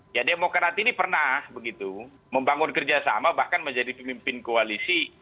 ya demokrat ini pernah membangun kerja sama bahkan menjadi pemimpin koalisi